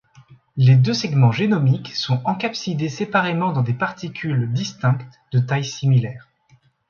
Les deux segments génomiques sont encapsidés séparément dans des particules distinctes de taille similaire.